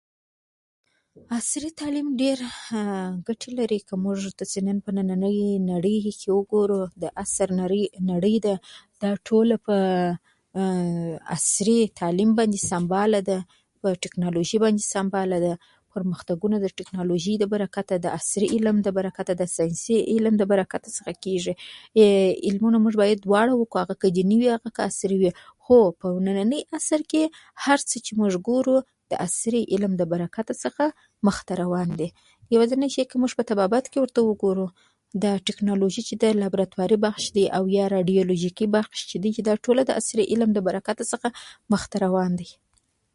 عصري تعلیم ډېر ‹ disfluency › ګټې لري که موژ د ‹ unclear › په نننۍ نړۍ کې وګورو د عصر نرۍ نړۍ ده . دا ټوله په ‹ disfluency › عصري تعليم باندې سمباله ده په ټکنالوژي باندې سمباله ده .پرمختګونه د ټکنالوژي د برکته د عصري علم د برکته د ساينسي علم د برکته څخه کيژي ، یعنې مونږ بايد دواړه وکو هغه که د نوی یا که عصري وي . خو په نننۍ عصر کې هر څه چې موژ ګورو د عصري علم د برکته څخه مخ ته روان دی ‹ unclear › که موژ په طبابت کې ورته وګورو د ټکنالوژي چې دی لابراتواري بخش دی او یا راډيولوژیکي بخش چې د کې دا ټوله د عصري علم د برکته څخه مخ ته روان دي